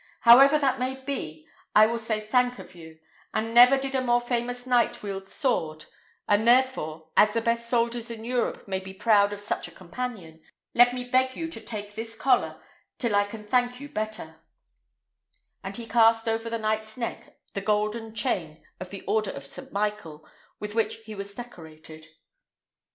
However that may be, I will say of you, that never did a more famous knight wield sword; and, therefore, as the best soldiers in Europe may be proud of such a companion, let me beg you to take this collar, till I can thank you better;" and he cast over the knight's neck the golden chain of the order of St. Michael, with which he was decorated.